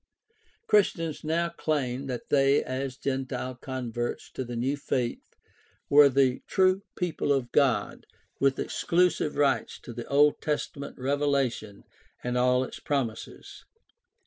Christians now claimed that they, as gentile converts to the new faith, were the true people of God with exclusive rights to the Old Testament revelation and all its promises.